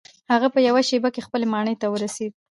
هغه په یوه شیبه کې خپلې ماڼۍ ته ورسید.